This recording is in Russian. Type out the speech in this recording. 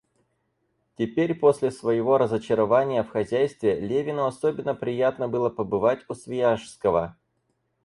Теперь, после своего разочарования в хозяйстве, Левину особенно приятно было побывать у Свияжского.